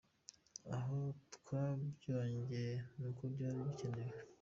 Aho twabyongeye ni uko byari bikenewe.